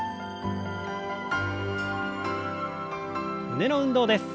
胸の運動です。